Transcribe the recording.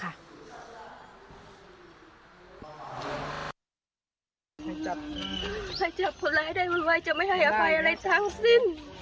ให้จับให้จับคนร้ายได้วุ่นวายจะไม่ให้อภัยอะไรทั้งสิ้น